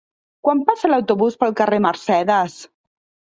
Quan passa l'autobús pel carrer Mercedes?